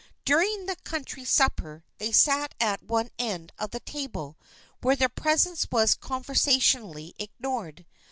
During the country supper they sat at one end of the table where their presence was conversationally ignored.